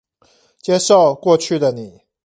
接受過去的你